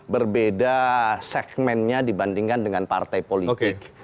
berbeda segmennya dibandingkan dengan partai politik